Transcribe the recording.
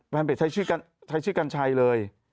แฟนเพจใช้ชื่อกัญชัยเลย